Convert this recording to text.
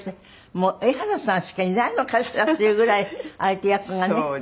もう江原さんしかいないのかしらっていうぐらい相手役がね